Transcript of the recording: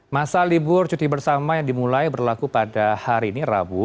masa libur cuti bersama yang dimulai berlaku pada hari ini rabu